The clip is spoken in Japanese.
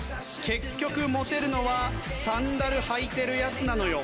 結局モテるのはサンダル履いてるヤツなのよ。